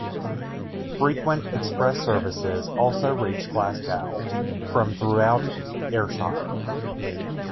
Frequent express services also reach Glasgow from throughout Ayrshire.